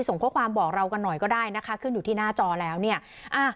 ส่งข้อความบอกเรากันหน่อยก็ได้นะคะขึ้นอยู่ที่หน้าจอแล้วเนี่ยอ่า